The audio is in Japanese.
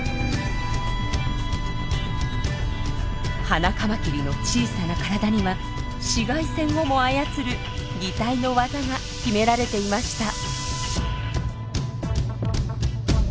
ハナカマキリの小さな体には紫外線をも操る擬態のワザが秘められていました。